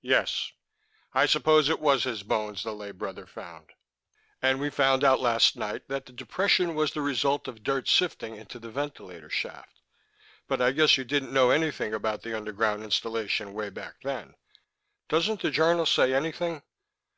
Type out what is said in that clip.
"Yes ... I suppose it was his bones the lay brother found." "And we found out last night that the depression was the result of dirt sifting into the ventilator shaft. But I guess you didn't know anything about the underground installation, way back then. Doesn't the journal say anything...?"